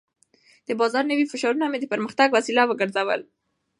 د بازار نوي فشارونه مې د پرمختګ وسیله وګرځول.